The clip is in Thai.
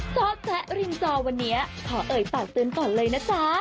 ซ่อแจ๊ะริมจอวันนี้ขอเอ่ยปากเตือนก่อนเลยนะจ๊ะ